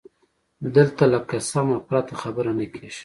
دلته له قسمه پرته خبره نه کېږي